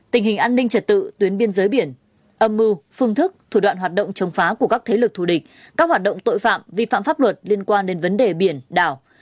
tình hình an ninh trật tự tuyến biên giới biển âm mưu phương thức thủ đoạn hoạt động chống phá của các thế lực thù địch các hoạt động tội phạm vi phạm pháp luật liên quan đến vấn đề biển đảo